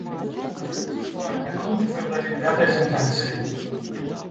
Мы ж канцэптуальна клуб выбралі для прэзентацыі!